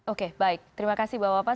oke baik terima kasih bapak bapak